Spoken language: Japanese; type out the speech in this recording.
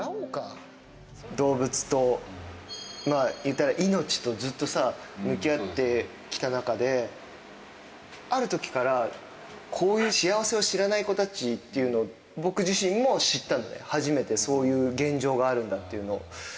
動物と、言ったら、命とずっと向き合ってきた中で、あるときから、こういう幸せを知らない子たちっていうのを、僕自身も知ったんだよ、初めてそういう現状があるんだっていうのを。